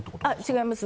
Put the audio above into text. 違います